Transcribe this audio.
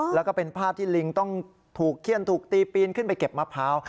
แล้วก็เป็นภาพที่ลิงต้องถูกเขี้ยนถูกตีปีนขึ้นไปเก็บมะพร้าว